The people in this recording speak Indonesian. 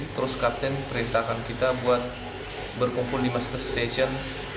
terus kapten perintahkan kita buat berkumpul di master station